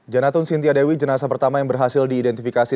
janatun sintia dewi jenazah pertama yang berhasil diidentifikasi